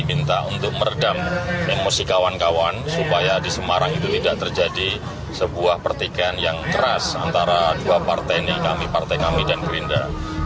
itu tidak terjadi sebuah pertikaian yang keras antara dua partai ini partai kami dan gerindra